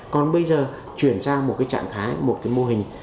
còn bây giờ chuyển sang một cái trạng thái một cái mô hình